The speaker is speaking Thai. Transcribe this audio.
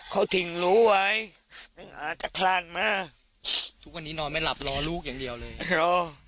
เขาทิ้งรู้ไว้มันอาจจะคลาดมาทุกวันนี้นอนไม่หลับรอลูกอย่างเดียวเลยรอ